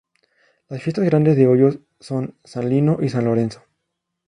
Las fiestas grandes de Hoyos son: San Lino y San Lorenzo.